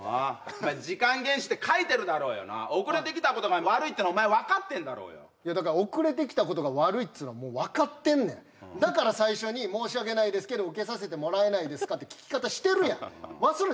お前時間厳守って書いてるだろうよ遅れてきたことが悪いってのお前分かってんだろうよいやだから遅れてきたことが悪いっつーのはもう分かってんねんだから最初に申し訳ないですけど受けさせてもらえないですかって聞き方してるやん忘れた？